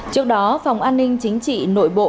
trước đó phòng an ninh chính trị nội bộ